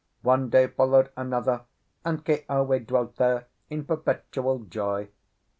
One day followed another, and Keawe dwelt there in perpetual joy.